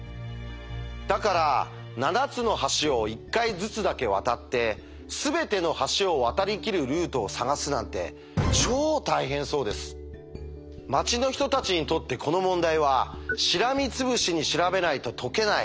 だから７つの橋を１回ずつだけ渡ってすべての橋を渡りきるルートを探すなんて町の人たちにとってこの問題はしらみつぶしに調べないと解けない